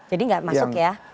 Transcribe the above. jadi gak masuk ya